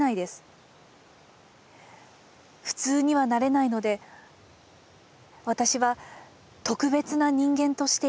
普通にはなれないので私は『特別』な人間として生きていきます。